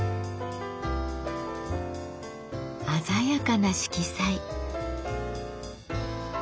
鮮やかな色彩。